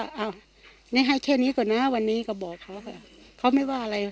อ้าวนี่ให้แค่นี้ก่อนนะวันนี้ก็บอกเขาค่ะเขาไม่ว่าอะไร